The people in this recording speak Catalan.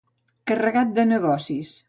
Carregat de negocis.